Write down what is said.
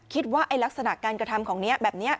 คิดว่าลักษณะการกระทำของนี้แบบนี้